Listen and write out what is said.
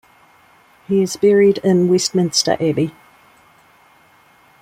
He is buried in Westminster Abbey.